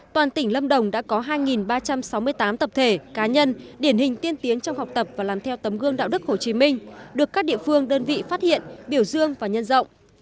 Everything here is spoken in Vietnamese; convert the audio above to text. toàn tỉnh lâm đồng đã có hai ba trăm sáu mươi tám tập thể cá nhân điển hình tiên tiến trong học tập và làm theo tấm gương đạo đức hồ chí minh được các địa phương đơn vị phát hiện biểu dương và nhân rộng